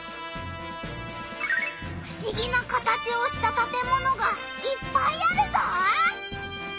ふしぎな形をしたたてものがいっぱいあるぞ！